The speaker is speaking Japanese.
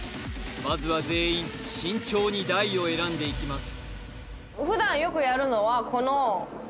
まずは全員慎重に台を選んでいきます